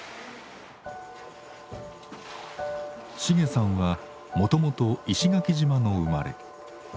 シゲさんはもともと石垣島の生まれ。